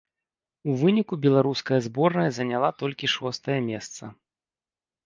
У выніку беларуская зборная заняла толькі шостае месца.